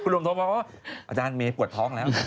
รวมโทรมาว่าอาจารย์เมย์ปวดท้องแล้ว